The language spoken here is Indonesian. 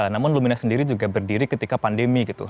namun lumina sendiri juga berdiri ketika pandemi gitu